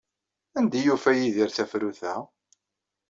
Anda ay yufa Yidir tafrut-a?